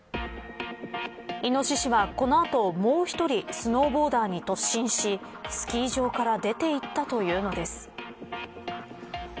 イノシシはこの後もう１人スノーボーダーに突進してスキー場から出ていったというのです。